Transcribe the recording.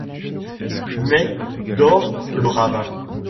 Mai dore le ravin